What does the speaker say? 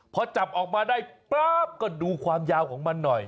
พอจับออกมาได้ป๊าบก็ดูความยาวของมันหน่อย